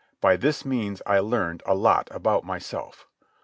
By this means I learned a lot about myself.